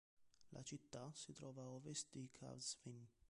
La città si trova a ovest di Qazvin.